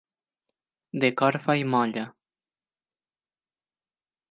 De corfa i molla.